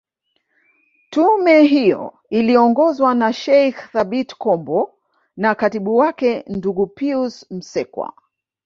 Tume hiyo iliongozwa na Sheikh Thabit Kombo na katibu wake ndugu Pius Msekwa